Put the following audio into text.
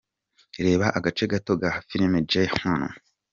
Reba agace gato ka film Joy hano :.